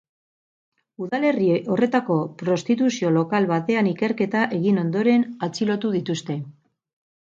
Udalerri horretako prostituzio lokal batean ikerketa egin ondoren atxilotu dituzte.